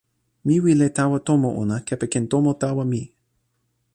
mi wile tawa tomo ona kepeken tomo tawa mi.